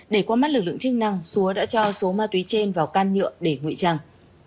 để qua mắt lực lượng chức năng xúa đã cho số ma túy trên vào can nhựa để ngụy trăng